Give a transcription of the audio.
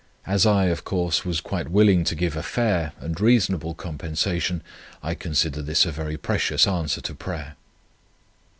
As I, of course, was quite willing to give a fair and reasonable compensation, I considered this a very precious answer to prayer.